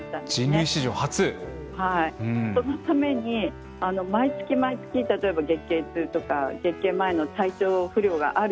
そのために毎月毎月例えば月経痛とか月経前の体調不良がある。